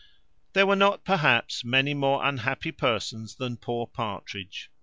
There were not, perhaps, many more unhappy persons than poor Partridge.